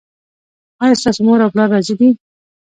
ایا ستاسو مور او پلار راضي دي؟